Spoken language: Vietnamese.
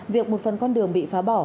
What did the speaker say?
việc một phần con đường bị phá bỏ